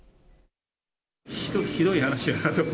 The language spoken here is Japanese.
ひどい話だなと。